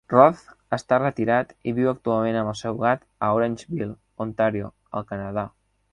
Roth està retirat i viu actualment amb el seu gat a Orangeville (Ontario), al Canadà.